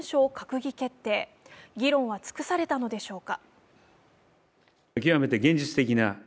議論は尽くされたのでしょうか。